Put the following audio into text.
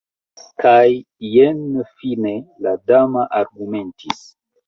Kaj jen fine la dama argumentis.